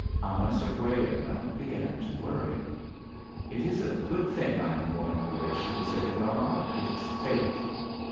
Anna Sergueyevna began to worry. "It is a good thing I am going away," she would say to Gomov. "It is fate."